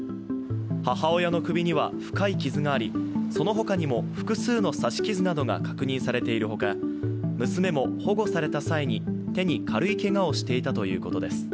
母親の首には深い傷があり、そのほかにも複数の刺し傷などが確認されているほか、娘も保護された際に手に軽いけがをしていたということです。